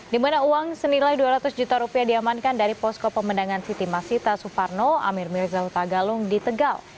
dimana uang senilai dua ratus juta rupiah diamankan dari posko pemandangan siti masita suparno amir mirzahuta galung di tegal